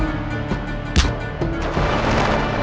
aku mau ke kanjeng itu